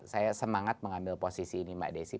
saya semangat mengambil posisi ini mbak desi